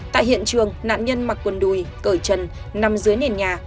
tại hiện trường nạn nhân mặc quần đùi cởi chân nằm dưới nền nhà